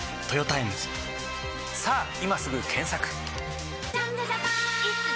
さぁ今すぐ検索！